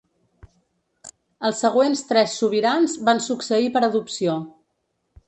Els següents tres sobirans van succeir per adopció.